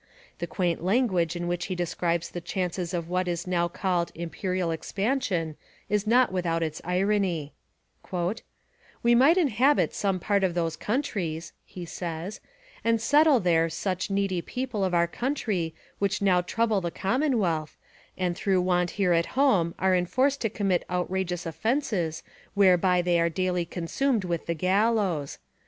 The quaint language in which he describes the chances of what is now called 'imperial expansion' is not without its irony: We might inhabit some part of those countries [he says], and settle there such needy people of our country which now trouble the commonwealth, and through want here at home are enforced to commit outrageous offences whereby they are daily consumed with the gallows.